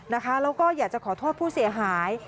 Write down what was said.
แล้วก็อยากจะขอโทษผู้เสียหาย